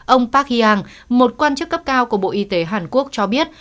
ông park heang một quan chức cấp cao của bộ y tế hàn quốc cho biết